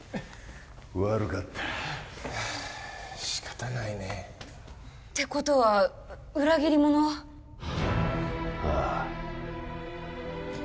悪かった仕方ないねてことは裏切り者はああっ！